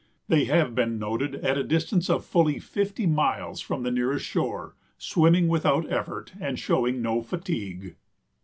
They have been noted at a distance of fully fifty miles from the nearest shore, swimming without effort and showing no fatigue.